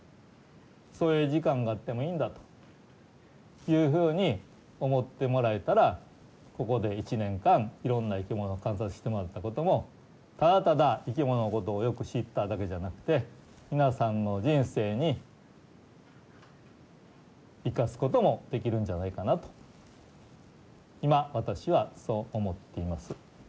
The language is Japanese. そういう時間があってもいいんだというふうに思ってもらえたらここで１年間いろんな生き物を観察してもらったこともただただ生き物のことをよく知っただけじゃなくて皆さんの人生に生かすこともできるんじゃないかなと今私はそう思っています。